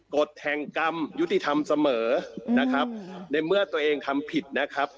กฎแห่งกรรมยุติธรรมเสมอนะครับในเมื่อตัวเองทำผิดนะครับ